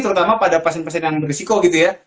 terutama pada pasien pasien yang berisiko gitu ya